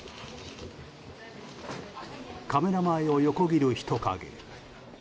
カメラ前を横切る人影。